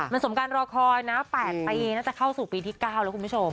มันสมการรอคอยนะ๘ปีน่าจะเข้าสู่ปีที่๙แล้วคุณผู้ชม